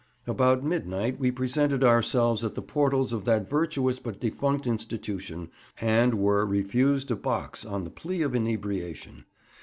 About midnight we presented ourselves at the portals of that virtuous but defunct institution, and were refused a box on the plea of inebriation.